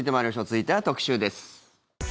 続いては特集です。